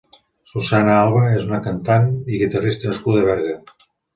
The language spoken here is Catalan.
Susana Alva és una cantant i guitarrista nascuda a Berga.